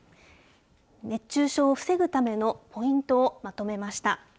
熱中症を防ぐためのポイントをまとめました。